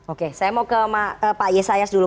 oke saya mau ke pak yesayas dulu